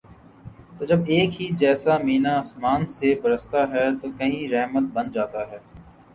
اور جب ایک ہی جیسا مینہ آسماں سے برستا ہے تو کہیں رحمت بن جاتا ہے